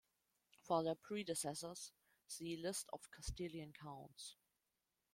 For their predecessors, see List of Castilian counts.